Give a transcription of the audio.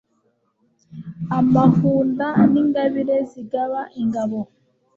Amahunda n' ingabire zigaba ingabo;